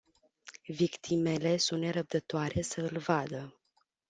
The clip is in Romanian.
Victimele sunt nerăbdătoare să îl vadă.